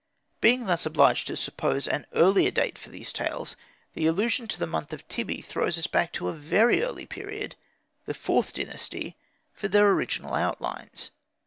Being thus obliged to suppose an earlier date for these tales, the allusion to the month Tybi throws us back to a very early period the IVth Dynasty for their original outlines.